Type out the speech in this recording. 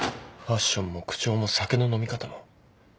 ファッションも口調も酒の飲み方も。